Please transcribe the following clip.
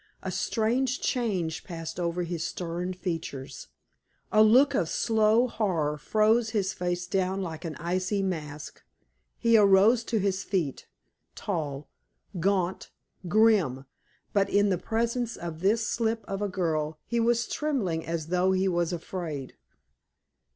A strange change passed over his stern features, a look of slow horror froze his face down like an icy mask. He arose to his feet, tall, gaunt, grim; but in the presence of this slip of a girl, he was trembling as though he was afraid.